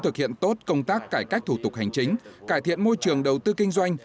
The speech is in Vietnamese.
thực hiện tốt công tác cải cách thủ tục hành chính cải thiện môi trường đầu tư kinh doanh